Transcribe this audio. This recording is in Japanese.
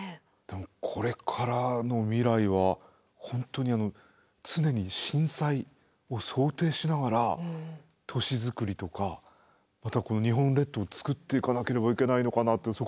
でもこれからの未来は本当に常に震災を想定しながら都市づくりとかまたこの日本列島をつくっていかなければいけないのかなって